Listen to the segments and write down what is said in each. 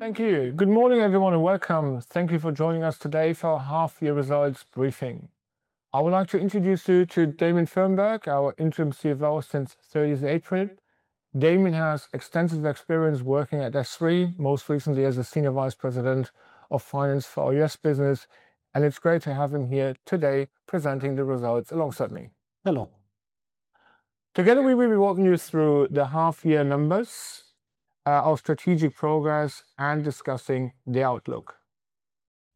Thank you. Good morning, everyone, and welcome. Thank you for joining us today for our half-year results briefing. I would like to introduce you to Damian Fehrenberg, our interim CFO since 30th April. Damian has extensive experience working at SThree, most recently as a Senior Vice President of Finance for our U.S. business, and it's great to have him here today presenting the results alongside me. Hello. Together, we will be walking you through the half-year numbers, our strategic progress, and discussing the outlook.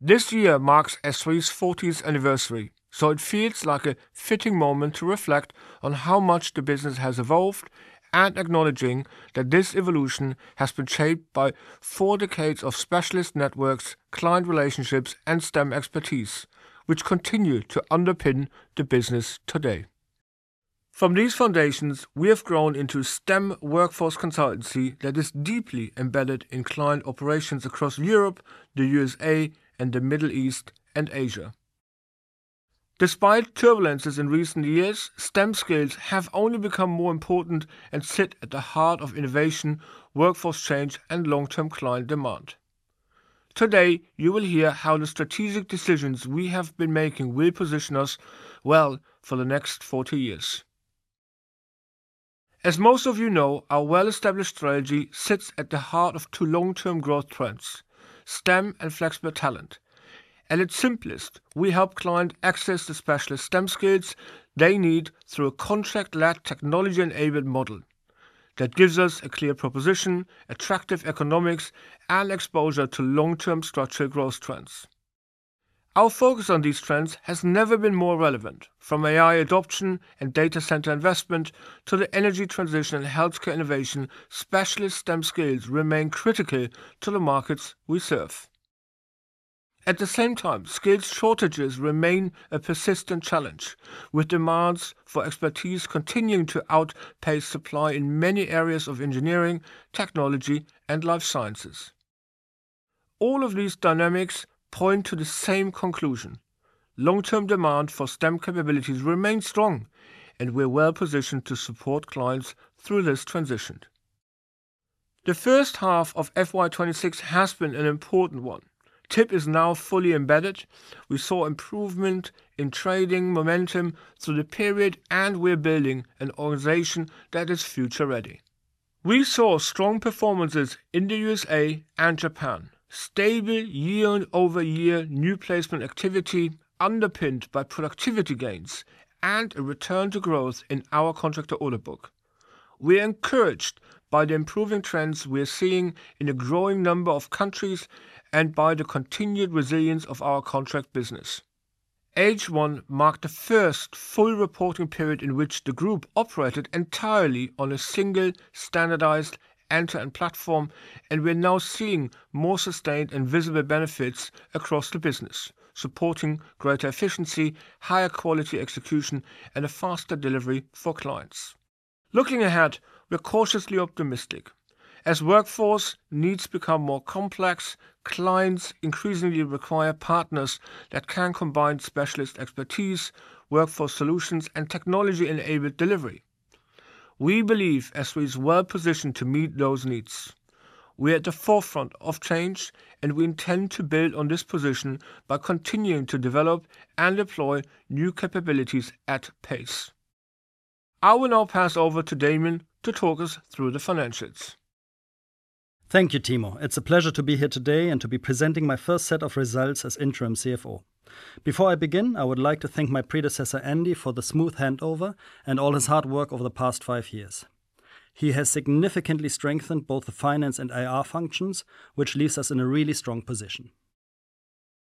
This year marks SThree's 40th anniversary, so it feels like a fitting moment to reflect on how much the business has evolved and acknowledging that this evolution has been shaped by four decades of specialist networks, client relationships, and STEM expertise, which continue to underpin the business today. From these foundations, we have grown into a STEM workforce consultancy that is deeply embedded in client operations across Europe, the USA, and the Middle East, and Asia. Despite turbulences in recent years, STEM skills have only become more important and sit at the heart of innovation, workforce change, and long-term client demand. Today, you will hear how the strategic decisions we have been making will position us well for the next 40 years. As most of you know, our well-established strategy sits at the heart of two long-term growth trends: STEM and flexible talent. At its simplest, we help clients access the specialist STEM skills they need through a contract-led technology-enabled model that gives us a clear proposition, attractive economics, and exposure to long-term structural growth trends. Our focus on these trends has never been more relevant. From AI adoption and data center investment to the energy transition and healthcare innovation, specialist STEM skills remain critical to the markets we serve. At the same time, skills shortages remain a persistent challenge, with demands for expertise continuing to outpace supply in many areas of engineering, technology, and life sciences. All of these dynamics point to the same conclusion. Long-term demand for STEM capabilities remains strong, and we're well-positioned to support clients through this transition. The first half of FY 2026 has been an important one. TIP is now fully embedded. We saw improvement in trading momentum through the period, and we're building an organization that is future-ready. We saw strong performances in the USA and Japan, stable year-over-year new placement activity underpinned by productivity gains, and a return to growth in our contractor order book. We're encouraged by the improving trends we're seeing in a growing number of countries and by the continued resilience of our contract business. H1 marked the first full reporting period in which the group operated entirely on a single standardized end-to-end platform, and we're now seeing more sustained and visible benefits across the business, supporting greater efficiency, higher quality execution, and a faster delivery for clients. Looking ahead, we're cautiously optimistic. As workforce needs become more complex, clients increasingly require partners that can combine specialist expertise, workforce solutions, and technology-enabled delivery. We believe SThree is well-positioned to meet those needs. We are at the forefront of change, and we intend to build on this position by continuing to develop and deploy new capabilities at pace. I will now pass over to Damian to talk us through the financials. Thank you, Timo. It's a pleasure to be here today and to be presenting my first set of results as Interim CFO. Before I begin, I would like to thank my predecessor, Andy, for the smooth handover and all his hard work over the past five years. He has significantly strengthened both the finance and IR functions, which leaves us in a really strong position.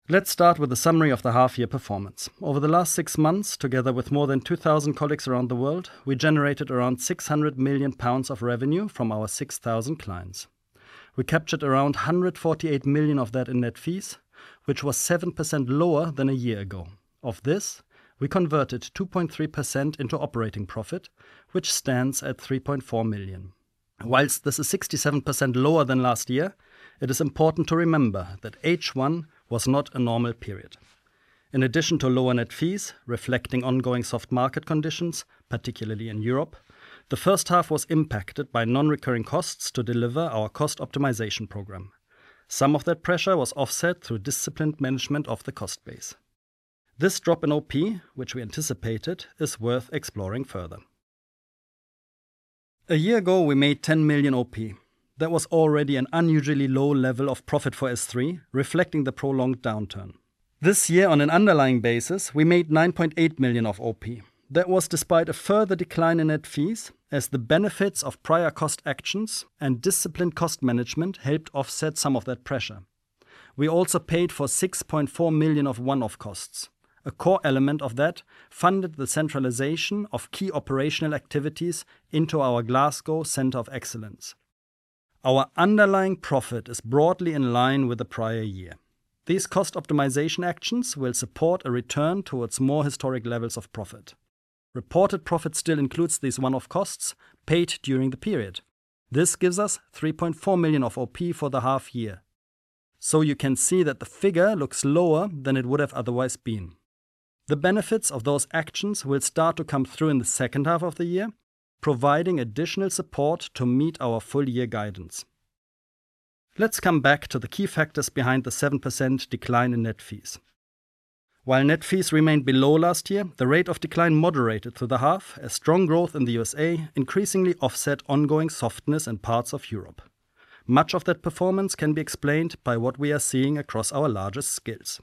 Let's start with a summary of the half-year performance. Over the last six months, together with more than 2,000 colleagues around the world, we generated around 600 million pounds of revenue from our 6,000 clients. We captured around 148 million of that in net fees, which was 7% lower than a year ago. Of this, we converted 2.3% into operating profit, which stands at 3.4 million. Whilst this is 67% lower than last year, it is important to remember that H1 was not a normal period. In addition to lower net fees reflecting ongoing soft market conditions, particularly in Europe, the first half was impacted by non-recurring costs to deliver our cost optimisation programme. Some of that pressure was offset through disciplined management of the cost base. This drop in OP, which we anticipated, is worth exploring further. A year ago, we made 10 million OP. That was already an unusually low level of profit for SThree, reflecting the prolonged downturn. This year, on an underlying basis, we made 9.8 million of OP. That was despite a further decline in net fees as the benefits of prior cost actions and disciplined cost management helped offset some of that pressure. We also paid for 6.4 million of one-off costs. A core element of that funded the centralization of key operational activities into our Glasgow Center of Excellence. Our underlying profit is broadly in line with the prior year. These cost optimization actions will support a return towards more historic levels of profit. Reported profit still includes these one-off costs paid during the period. This gives us 3.4 million of OP for the half-year. You can see that the figure looks lower than it would have otherwise been. The benefits of those actions will start to come through in the second half of the year, providing additional support to meet our full-year guidance. Let's come back to the key factors behind the 7% decline in net fees. While net fees remained below last year, the rate of decline moderated through the half, as strong growth in the USA increasingly offset ongoing softness in parts of Europe. Much of that performance can be explained by what we are seeing across our largest skills.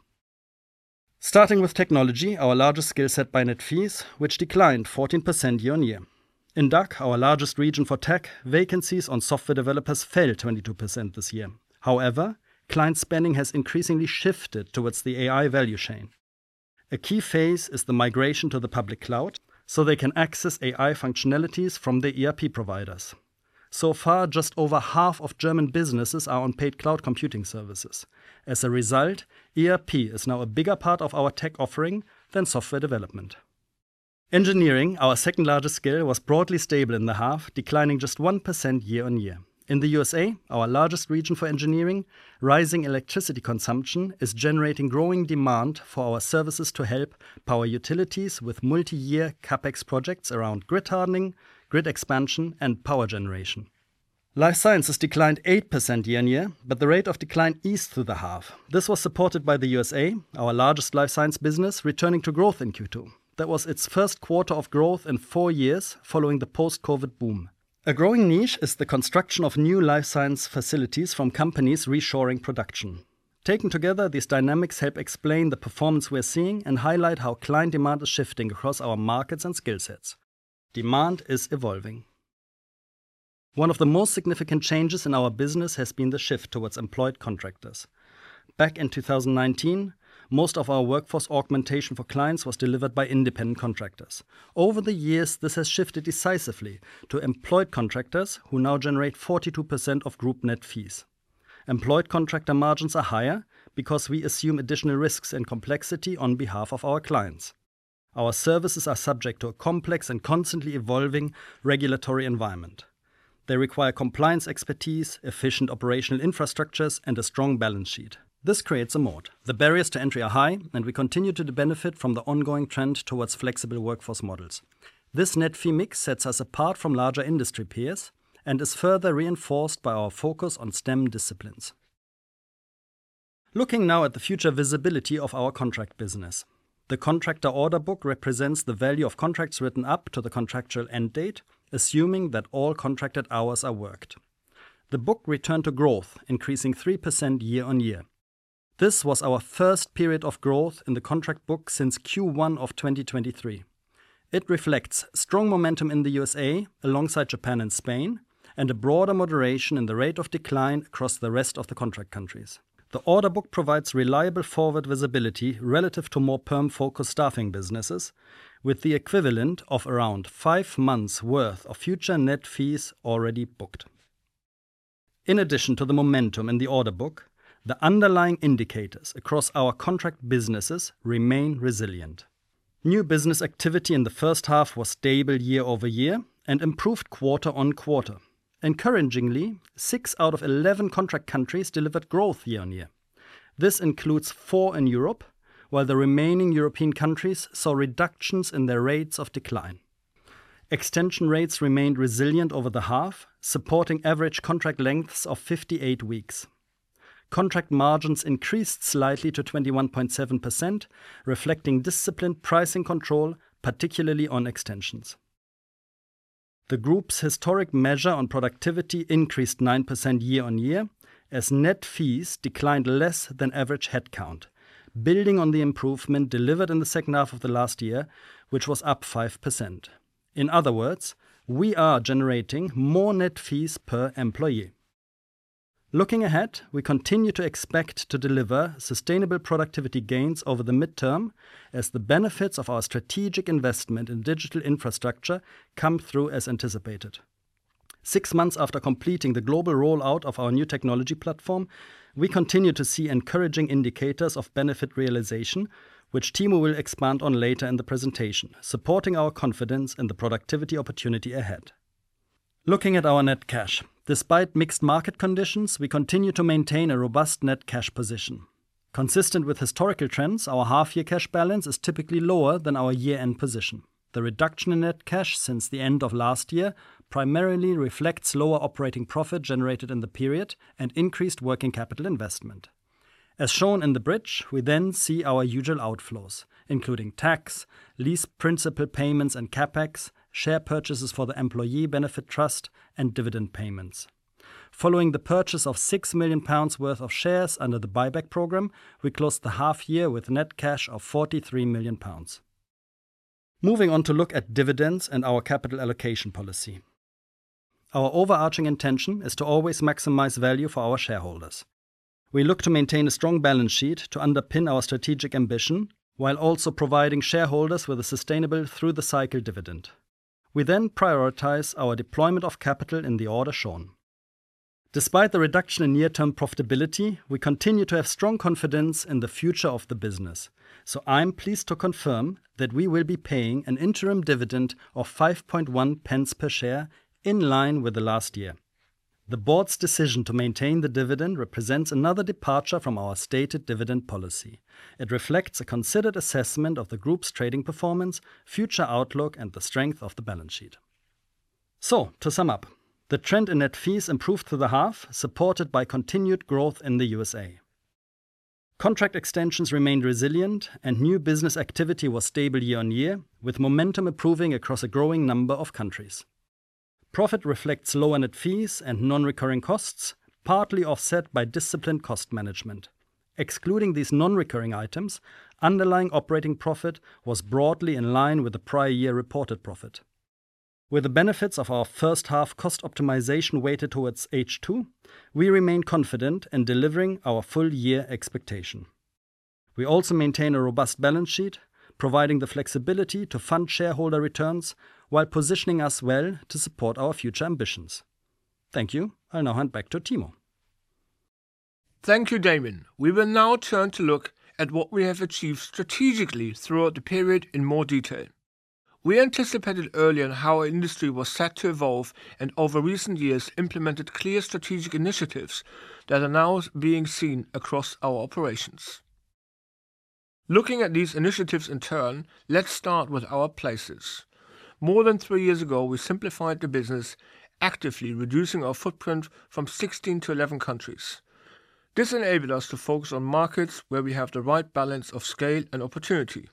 Starting with technology, our largest skill set by net fees, which declined 14% year-on-year. In DACH, our largest region for tech, vacancies on software developers fell 22% this year. Client spending has increasingly shifted towards the AI value chain. A key phase is the migration to the public cloud, so they can access AI functionalities from the ERP providers. Far, just over half of German businesses are on paid cloud computing services. ERP is now a bigger part of our tech offering than software development. Engineering, our second-largest skill, was broadly stable in the half, declining just 1% year-on-year. In the U.S.A., our largest region for engineering, rising electricity consumption is generating growing demand for our services to help power utilities with multi-year CapEx projects around grid hardening, grid expansion, and power generation. Life sciences declined 8% year-on-year, but the rate of decline eased through the half. This was supported by the U.S.A., our largest life science business, returning to growth in Q2. That was its first quarter of growth in four years following the post-COVID boom. A growing niche is the construction of new life science facilities from companies reshoring production. Taken together, these dynamics help explain the performance we're seeing and highlight how client demand is shifting across our markets and skill sets. Demand is evolving. One of the most significant changes in our business has been the shift towards employed contractors. Back in 2019, most of our workforce augmentation for clients was delivered by independent contractors. Over the years, this has shifted decisively to employed contractors, who now generate 42% of group net fees. Employed contractor margins are higher because we assume additional risks and complexity on behalf of our clients. Our services are subject to a complex and constantly evolving regulatory environment. They require compliance expertise, efficient operational infrastructures, and a strong balance sheet. This creates a moat. The barriers to entry are high, and we continue to benefit from the ongoing trend towards flexible workforce models. This net fee mix sets us apart from larger industry peers and is further reinforced by our focus on STEM disciplines. Looking now at the future visibility of our contract business. The contractor order book represents the value of contracts written up to the contractual end date, assuming that all contracted hours are worked. The book returned to growth, increasing 3% year-on-year. This was our first period of growth in the contract book since Q1 of 2023. It reflects strong momentum in the U.S.A. alongside Japan and Spain, and a broader moderation in the rate of decline across the rest of the contract countries. The order book provides reliable forward visibility relative to more perm-focused staffing businesses with the equivalent of around five months' worth of future net fees already booked. In addition to the momentum in the order book, the underlying indicators across our contract businesses remain resilient. New business activity in the first half was stable year-over-year and improved quarter-on-quarter. Encouragingly, six out of 11 contract countries delivered growth year-on-year. This includes four in Europe, while the remaining European countries saw reductions in their rates of decline. Extension rates remained resilient over the half, supporting average contract lengths of 58 weeks. Contract margins increased slightly to 21.7%, reflecting disciplined pricing control, particularly on extensions. The group's historic measure on productivity increased 9% year-on-year as net fees declined less than average headcount, building on the improvement delivered in the second half of the last year, which was up 5%. In other words, we are generating more net fees per employee. Looking ahead, we continue to expect to deliver sustainable productivity gains over the midterm as the benefits of our strategic investment in digital infrastructure come through as anticipated. Six months after completing the global rollout of our new technology platform, we continue to see encouraging indicators of benefit realization, which Timo will expand on later in the presentation, supporting our confidence in the productivity opportunity ahead. Looking at our net cash. Despite mixed market conditions, we continue to maintain a robust net cash position. Consistent with historical trends, our half-year cash balance is typically lower than our year-end position. The reduction in net cash since the end of last year primarily reflects lower operating profit generated in the period and increased working capital investment. As shown in the bridge, we see our usual outflows, including tax, lease principal payments and CapEx, share purchases for the employee benefit trust, and dividend payments. Following the purchase of 6 million pounds worth of shares under the buyback program, we closed the half-year with net cash of 43 million pounds. Moving on to look at dividends and our capital allocation policy. Our overarching intention is to always maximize value for our shareholders. We look to maintain a strong balance sheet to underpin our strategic ambition while also providing shareholders with a sustainable through-the-cycle dividend. We prioritize our deployment of capital in the order shown. Despite the reduction in near-term profitability, we continue to have strong confidence in the future of the business. I'm pleased to confirm that we will be paying an interim dividend of 0.051 per share, in line with the last year. The Board's decision to maintain the dividend represents another departure from our stated dividend policy. It reflects a considered assessment of the group's trading performance, future outlook, and the strength of the balance sheet. To sum up, the trend in net fees improved through the half, supported by continued growth in the USA. Contract extensions remained resilient and new business activity was stable year-over-year, with momentum improving across a growing number of countries. Profit reflects lower net fees and non-recurring costs, partly offset by disciplined cost management. Excluding these non-recurring items, underlying operating profit was broadly in line with the prior year reported profit. With the benefits of our first half cost optimization weighted towards H2, we remain confident in delivering our full-year expectation. We also maintain a robust balance sheet, providing the flexibility to fund shareholder returns while positioning us well to support our future ambitions. Thank you. I'll now hand back to Timo. Thank you, Damian. We will now turn to look at what we have achieved strategically throughout the period in more detail. We anticipated early on how our industry was set to evolve and over recent years implemented clear strategic initiatives that are now being seen across our operations. Looking at these initiatives in turn, let's start with our places. More than three years ago, we simplified the business actively reducing our footprint from 16 to 11 countries. This enabled us to focus on markets where we have the right balance of scale and opportunity.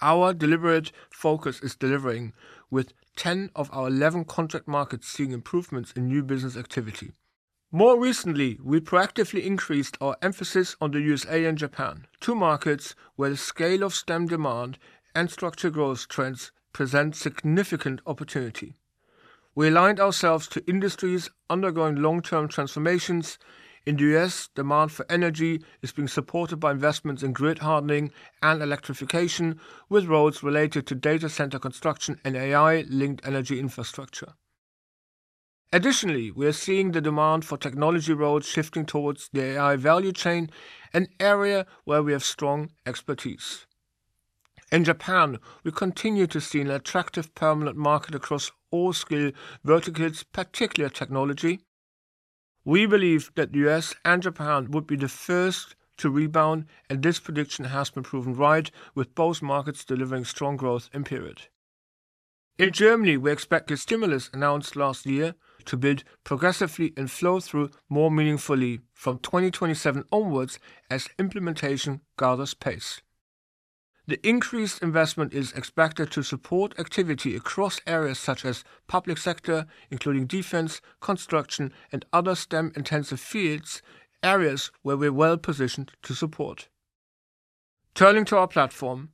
Our deliberate focus is delivering with 10 of our 11 contract markets seeing improvements in new business activity. More recently, we proactively increased our emphasis on the USA and Japan, two markets where the scale of STEM demand and structural growth trends present significant opportunity. We aligned ourselves to industries undergoing long-term transformations. In the U.S., demand for energy is being supported by investments in grid hardening and electrification, with roles related to data center construction and AI-linked energy infrastructure. Additionally, we are seeing the demand for technology roles shifting towards the AI value chain, an area where we have strong expertise. In Japan, we continue to see an attractive permanent market across all skill verticals, particularly technology. We believe that the U.S. and Japan would be the first to rebound, this prediction has been proven right with both markets delivering strong growth in period. In Germany, we expect the stimulus announced last year to bid progressively and flow through more meaningfully from 2027 onwards as implementation gathers pace. The increased investment is expected to support activity across areas such as public sector, including defense, construction, and other STEM-intensive fields, areas where we're well-positioned to support. Turning to our platform,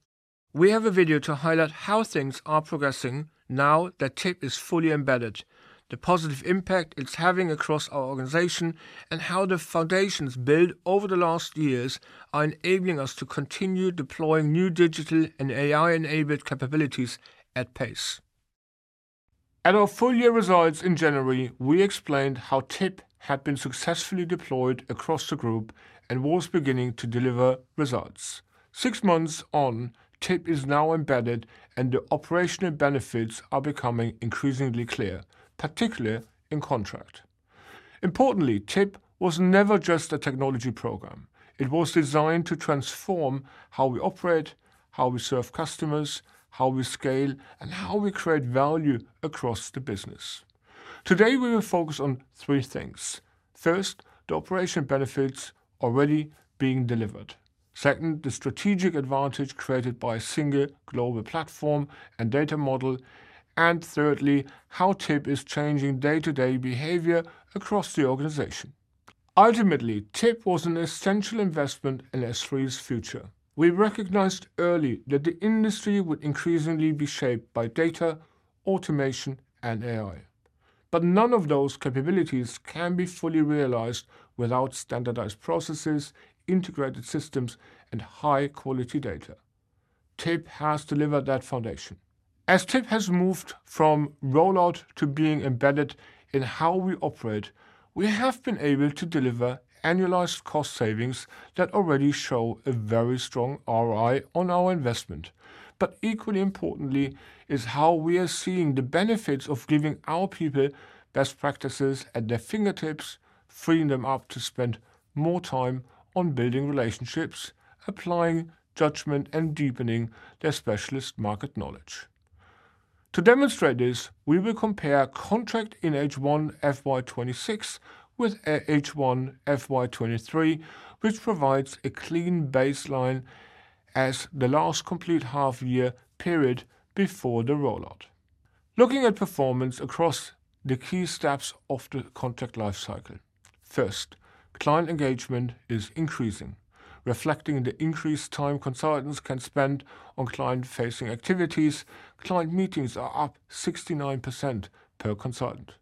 we have a video to highlight how things are progressing now that TIP is fully embedded, the positive impact it's having across our organization, and how the foundations built over the last years are enabling us to continue deploying new digital and AI-enabled capabilities at pace. At our full-year results in January, we explained how TIP had been successfully deployed across the group and was beginning to deliver results. Six months on, TIP is now embedded and the operational benefits are becoming increasingly clear, particularly in contract. Importantly, TIP was never just a technology program. It was designed to transform how we operate, how we serve customers, how we scale, and how we create value across the business. Today, we will focus on three things. First, the operational benefits already being delivered. Second, the strategic advantage created by a single global platform and data model. Thirdly, how TIP is changing day-to-day behavior across the organization. Ultimately, TIP was an essential investment in SThree's future. We recognized early that the industry would increasingly be shaped by data, automation, and AI. None of those capabilities can be fully realized without standardized processes, integrated systems, and high-quality data. TIP has delivered that foundation. As TIP has moved from rollout to being embedded in how we operate, we have been able to deliver annualized cost savings that already show a very strong ROI on our investment. Equally importantly is how we are seeing the benefits of giving our people best practices at their fingertips, freeing them up to spend more time on building relationships, applying judgment, and deepening their specialist market knowledge. To demonstrate this, we will compare contract in H1 FY 2026 with H1 FY 2023, which provides a clean baseline as the last complete half-year period before the rollout. Looking at performance across the key steps of the contract life cycle. First, client engagement is increasing, reflecting the increased time consultants can spend on client-facing activities. Client meetings are up 69% per consultant,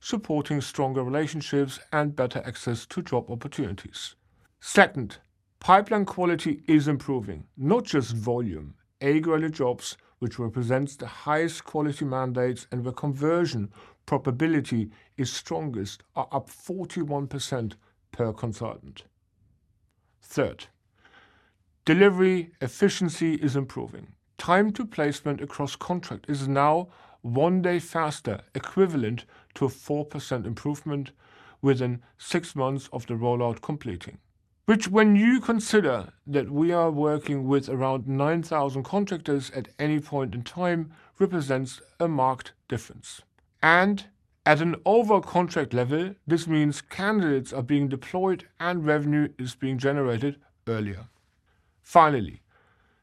supporting stronger relationships and better access to job opportunities. Second, pipeline quality is improving, not just volume. A-grade jobs, which represents the highest quality mandates and where conversion probability is strongest, are up 41% per consultant. Third, delivery efficiency is improving. Time to placement across contract is now one day faster, equivalent to a 4% improvement within six months of the rollout completing, which when you consider that we are working with around 9,000 contractors at any point in time, represents a marked difference. At an over-contract level, this means candidates are being deployed and revenue is being generated earlier. Finally,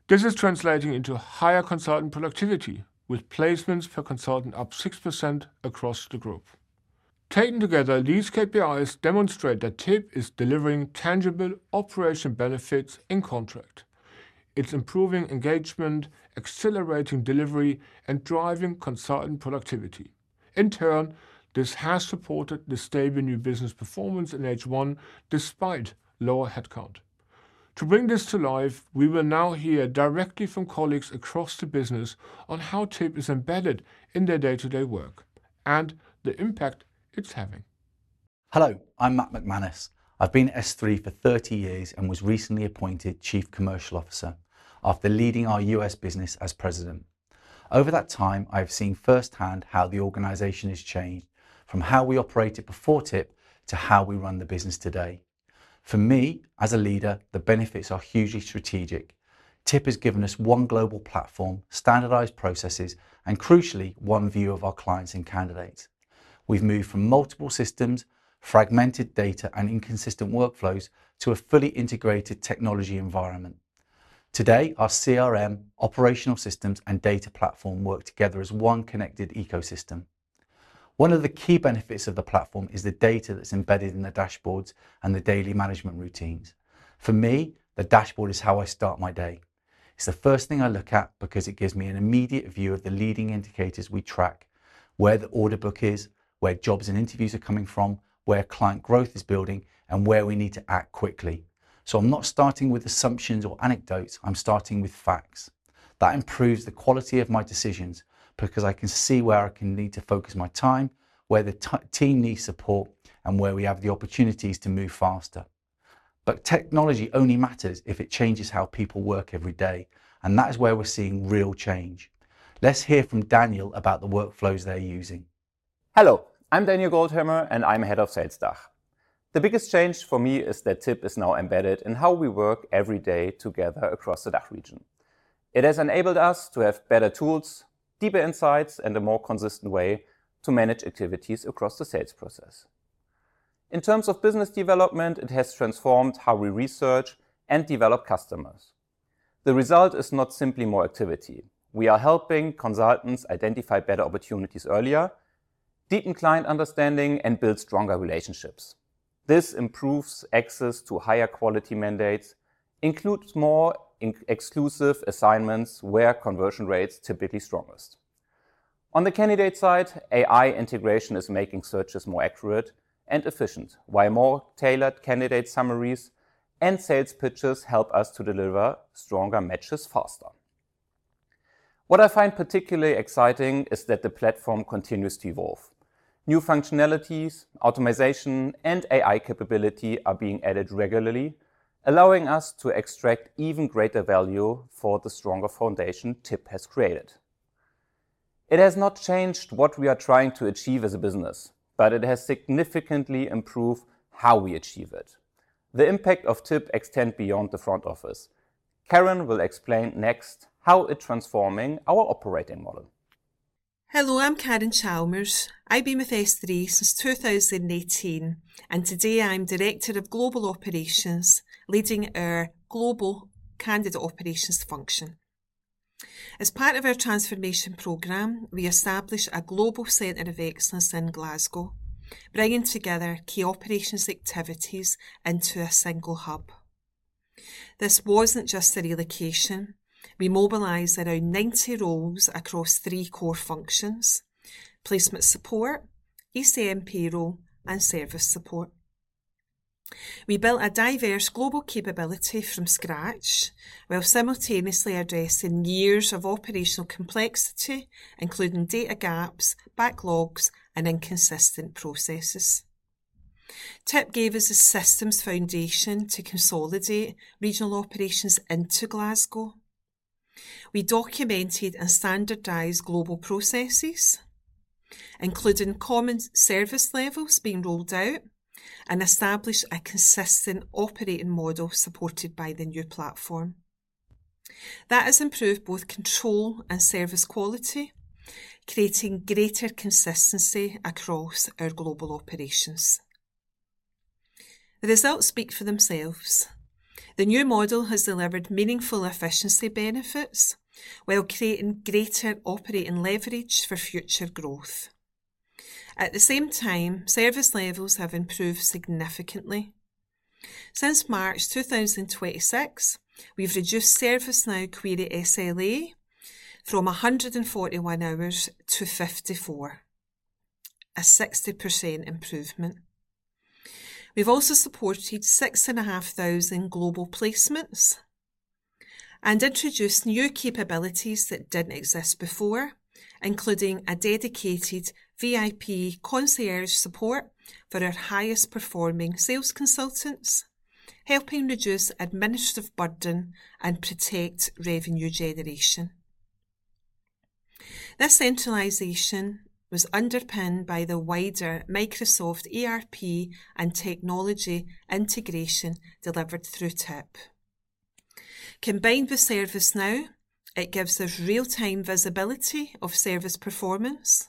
this is translating into higher consultant productivity, with placements per consultant up 6% across the group. Taken together, these KPIs demonstrate that TIP is delivering tangible operational benefits in contract. It's improving engagement, accelerating delivery, and driving consultant productivity. In turn, this has supported the stable new business performance in H1 despite lower headcount. To bring this to life, we will now hear directly from colleagues across the business on how TIP is embedded in their day-to-day work and the impact it's having. Hello, I'm Matt McManus. I've been at SThree for 30 years and was recently appointed Chief Commercial Officer after leading our U.S. business as President. Over that time, I've seen firsthand how the organization has changed from how we operated before TIP to how we run the business today. For me, as a leader, the benefits are hugely strategic. TIP has given us one global platform, standardized processes, and crucially, one view of our clients and candidates. We've moved from multiple systems, fragmented data, and inconsistent workflows to a fully integrated technology environment. Today, our CRM, operational systems, and data platform work together as one connected ecosystem. One of the key benefits of the platform is the data that's embedded in the dashboards and the daily management routines. For me, the dashboard is how I start my day. It's the first thing I look at because it gives me an immediate view of the leading indicators we track, where the order book is, where jobs and interviews are coming from, where client growth is building, and where we need to act quickly. I'm not starting with assumptions or anecdotes. I'm starting with facts. That improves the quality of my decisions because I can see where I need to focus my time, where the team needs support, and where we have the opportunities to move faster. Technology only matters if it changes how people work every day, and that is where we're seeing real change. Let's hear from Daniel about the workflows they're using. Hello, I'm Daniel Goldhammer, I'm Head of Sales DACH. The biggest change for me is that TIP is now embedded in how we work every day together across the DACH region. It has enabled us to have better tools, deeper insights, and a more consistent way to manage activities across the sales process. In terms of business development, it has transformed how we research and develop customers. The result is not simply more activity. We are helping consultants identify better opportunities earlier, deepen client understanding, and build stronger relationships. This improves access to higher quality mandates, includes more exclusive assignments where conversion rates are typically strongest. On the candidate side, AI integration is making searches more accurate and efficient, while more tailored candidate summaries and sales pitches help us to deliver stronger matches faster. What I find particularly exciting is that the platform continues to evolve. New functionalities, automatization, and AI capability are being added regularly, allowing us to extract even greater value for the stronger foundation TIP has created. It has not changed what we are trying to achieve as a business, but it has significantly improved how we achieve it. The impact of TIP extends beyond the front office. Karen will explain next how it's transforming our operating model. Hello, I'm Karen Chalmers. I've been with SThree since 2018, and today I'm Director of Global Operations, leading our global candidate operations function. As part of our transformation program, we established a Global Center of Excellence in Glasgow, bringing together key operations activities into a single hub. This wasn't just a relocation. We mobilized around 90 roles across three core functions, placement support, ECM payroll, and service support. We built a diverse global capability from scratch while simultaneously addressing years of operational complexity, including data gaps, backlogs, and inconsistent processes. TIP gave us a systems foundation to consolidate regional operations into Glasgow. We documented and standardized global processes, including common service levels being rolled out, and established a consistent operating model supported by the new platform. That has improved both control and service quality, creating greater consistency across our global operations. The results speak for themselves. The new model has delivered meaningful efficiency benefits while creating greater operating leverage for future growth. At the same time, service levels have improved significantly. Since March 2026, we've reduced ServiceNow query SLA from 141 hours to 54, a 60% improvement. We've also supported 6,500 global placements And introduce new capabilities that didn't exist before, including a dedicated VIP concierge support for our highest-performing sales consultants, helping reduce administrative burden and protect revenue generation. This centralization was underpinned by the wider Microsoft ERP and technology integration delivered through TIP. Combined with ServiceNow, it gives us real-time visibility of service performance,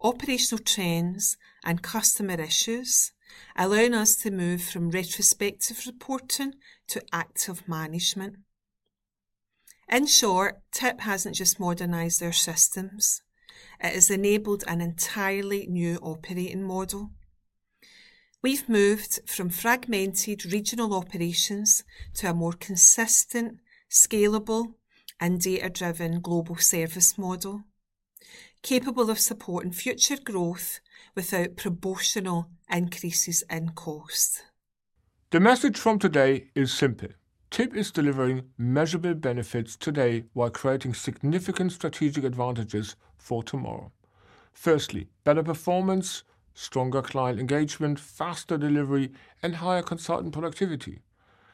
operational trends, and customer issues, allowing us to move from retrospective reporting to active management. In short, TIP hasn't just modernized their systems, it has enabled an entirely new operating model. We've moved from fragmented regional operations to a more consistent, scalable, and data-driven global service model, capable of supporting future growth without proportional increases in cost. The message from today is simple. TIP is delivering measurable benefits today while creating significant strategic advantages for tomorrow. Firstly, better performance, stronger client engagement, faster delivery, and higher consultant productivity.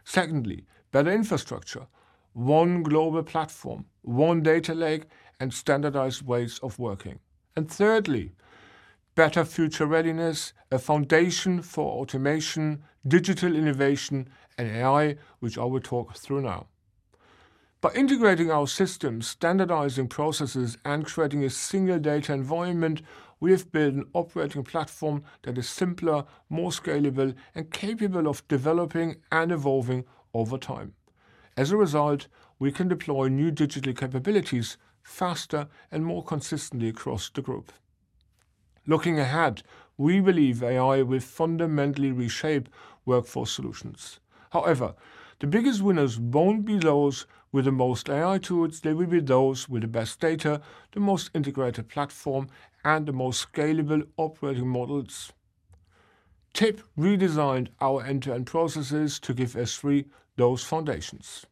Secondly, better infrastructure, one global platform, one data lake, and standardized ways of working. Thirdly, better future readiness, a foundation for automation, digital innovation, and AI, which I will talk through now. By integrating our systems, standardizing processes, and creating a single data environment, we have built an operating platform that is simpler, more scalable, and capable of developing and evolving over time. As a result, we can deploy new digital capabilities faster and more consistently across the group. Looking ahead, we believe AI will fundamentally reshape workforce solutions. However, the biggest winners won't be those with the most AI tools. They will be those with the best data, the most integrated platform, and the most scalable operating models. TIP redesigned our end-to-end processes to give SThree those foundations.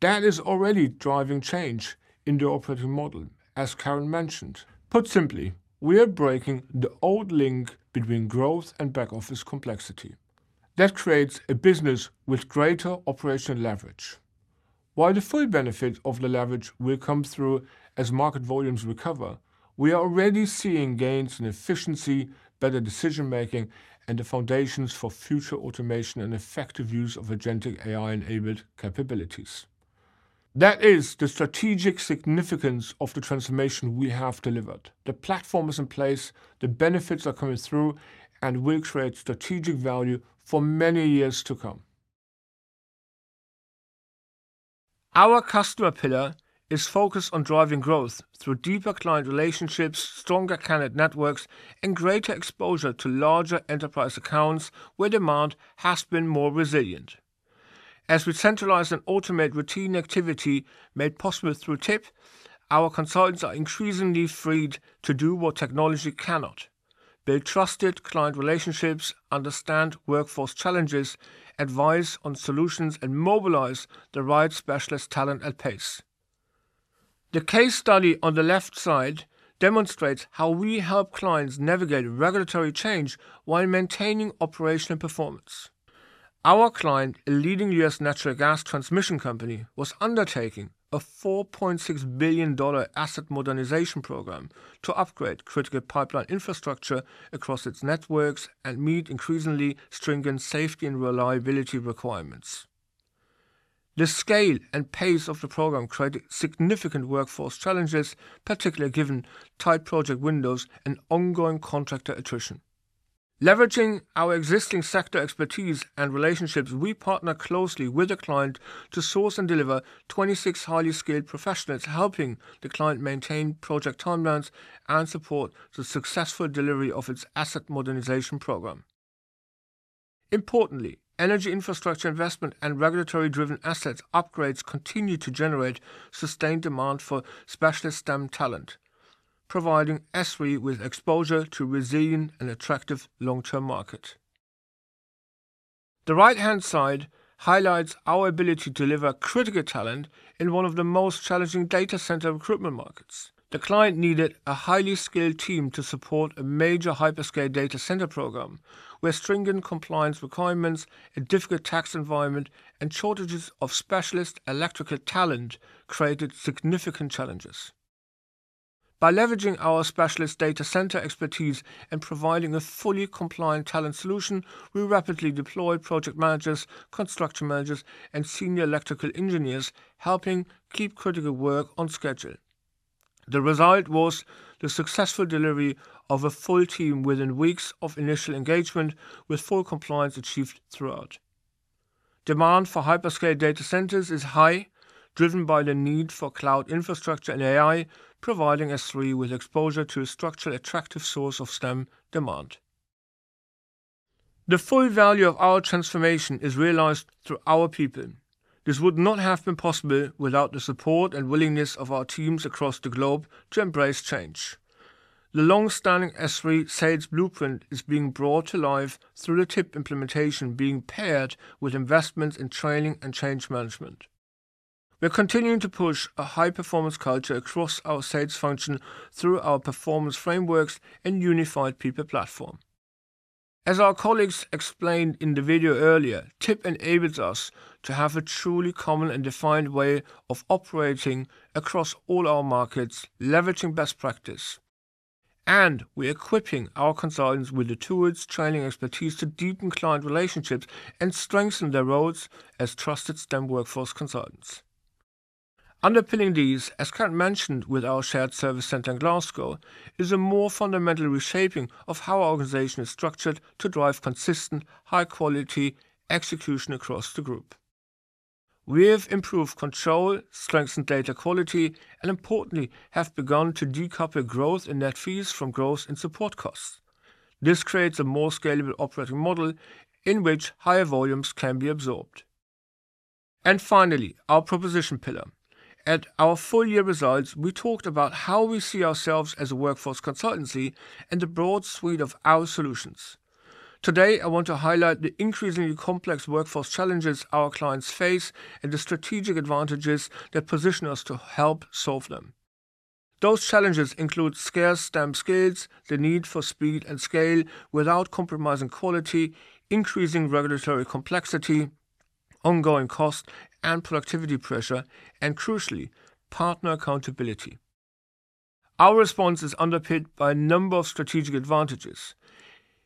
That is already driving change in the operating model, as Karen mentioned. Put simply, we are breaking the old link between growth and back-office complexity. That creates a business with greater operational leverage. While the full benefit of the leverage will come through as market volumes recover, we are already seeing gains in efficiency, better decision-making, and the foundations for future automation and effective use of agentic AI-enabled capabilities. That is the strategic significance of the transformation we have delivered. The platform is in place, the benefits are coming through, and will create strategic value for many years to come. Our customer pillar is focused on driving growth through deeper client relationships, stronger candidate networks, and greater exposure to larger enterprise accounts where demand has been more resilient. As we centralize and automate routine activity made possible through TIP, our consultants are increasingly freed to do what technology cannot: build trusted client relationships, understand workforce challenges, advise on solutions, and mobilize the right specialist talent at pace. The case study on the left side demonstrates how we help clients navigate regulatory change while maintaining operational performance. Our client, a leading U.S. natural gas transmission company, was undertaking a $4.6 billion asset modernization program to upgrade critical pipeline infrastructure across its networks and meet increasingly stringent safety and reliability requirements. The scale and pace of the program created significant workforce challenges, particularly given tight project windows and ongoing contractor attrition. Leveraging our existing sector expertise and relationships, we partner closely with the client to source and deliver 26 highly skilled professionals, helping the client maintain project timelines and support the successful delivery of its asset modernization program. Importantly, energy infrastructure investment and regulatory-driven asset upgrades continue to generate sustained demand for specialist STEM talent, providing SThree with exposure to resilient and attractive long-term market. The right-hand side highlights our ability to deliver critical talent in one of the most challenging data center recruitment markets. The client needed a highly skilled team to support a major hyperscale data center program, where stringent compliance requirements, a difficult tax environment, and shortages of specialist electrical talent created significant challenges. By leveraging our specialist data center expertise and providing a fully compliant talent solution, we rapidly deployed project managers, construction managers, and senior electrical engineers, helping keep critical work on schedule. The result was the successful delivery of a full team within weeks of initial engagement with full compliance achieved throughout. Demand for hyperscale data centers is high, driven by the need for cloud infrastructure and AI, providing SThree with exposure to a structurally attractive source of STEM demand. The full value of our transformation is realized through our people. This would not have been possible without the support and willingness of our teams across the globe to embrace change. The long-standing SThree sales blueprint is being brought to life through the TIP implementation being paired with investments in training and change management. We're continuing to push a high-performance culture across our sales function through our performance frameworks and unified people platform. As our colleagues explained in the video earlier, TIP enables us to have a truly common and defined way of operating across all our markets, leveraging best practice. We're equipping our consultants with the tools, training, and expertise to deepen client relationships and strengthen their roles as trusted STEM workforce consultants. Underpinning these, as Karen mentioned with our shared service center in Glasgow, is a more fundamental reshaping of how our organization is structured to drive consistent, high-quality execution across the group. We have improved control, strengthened data quality, and importantly, have begun to decouple growth in net fees from growth in support costs. This creates a more scalable operating model in which higher volumes can be absorbed. Finally, our proposition pillar. At our full-year results, we talked about how we see ourselves as a workforce consultancy and the broad suite of our solutions. Today, I want to highlight the increasingly complex workforce challenges our clients face and the strategic advantages that position us to help solve them. Those challenges include scarce STEM skills, the need for speed and scale without compromising quality, increasing regulatory complexity, ongoing cost and productivity pressure, and crucially, partner accountability. Our response is underpinned by a number of strategic advantages.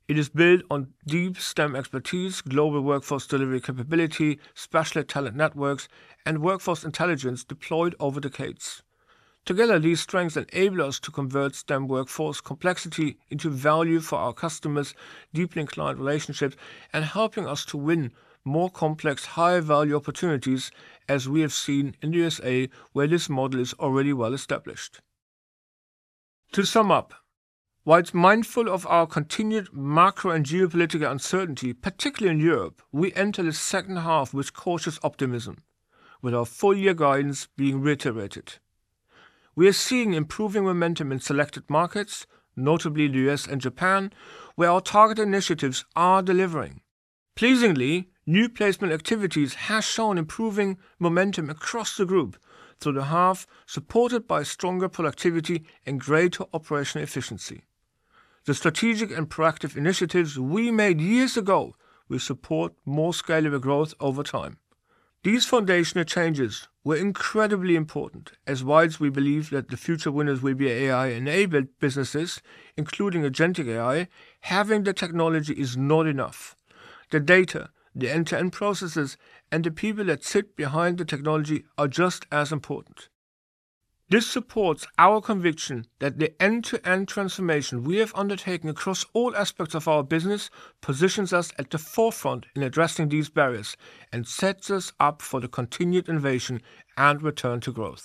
It is built on deep STEM expertise, global workforce delivery capability, specialist talent networks, and workforce intelligence deployed over decades. Together, these strengths enable us to convert STEM workforce complexity into value for our customers, deepening client relationships and helping us to win more complex, higher-value opportunities, as we have seen in the USA, where this model is already well-established. To sum up, whilst mindful of our continued macro and geopolitical uncertainty, particularly in Europe, we enter this second half with cautious optimism, with our full-year guidance being reiterated. We are seeing improving momentum in selected markets, notably the U.S. and Japan, where our targeted initiatives are delivering. Pleasingly, new placement activities have shown improving momentum across the group through the half, supported by stronger productivity and greater operational efficiency. The strategic and proactive initiatives we made years ago will support more scalable growth over time. These foundational changes were incredibly important, as whilst we believe that the future winners will be AI-enabled businesses, including agentic AI, having the technology is not enough. The data, the end-to-end processes, and the people that sit behind the technology are just as important. This supports our conviction that the end-to-end transformation we have undertaken across all aspects of our business positions us at the forefront in addressing these barriers and sets us up for the continued innovation and return to growth